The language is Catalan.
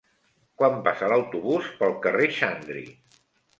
Quan passa l'autobús pel carrer Xandri?